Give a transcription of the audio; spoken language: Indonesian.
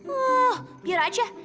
oh biar aja